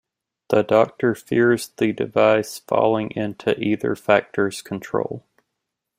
The Doctor fears the device falling into either factor's control.